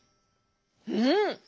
うん！